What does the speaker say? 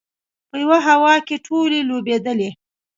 په یوه هوا کې ټولې لوبېدلې.